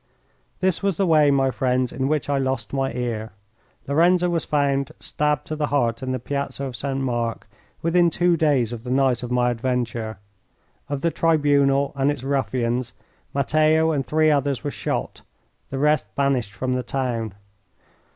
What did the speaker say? This was the way, my friends, in which I lost my ear. Lorenzo was found stabbed to the heart in the Piazza of St. Mark within two days of the night of my adventure. Of the tribunal and its ruffians, Matteo and three others were shot, the rest banished from the town.